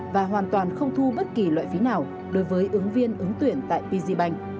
và hoàn toàn không thu bất kỳ loại phí nào đối với ứng viên ứng tuyển tại pzbank